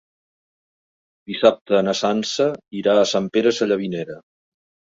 Dissabte na Sança irà a Sant Pere Sallavinera.